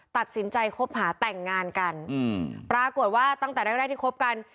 ตัดสินใจคบหาแต่งงานกันอืมปรากฏว่าตั้งแต่แรกแรกที่คบกัน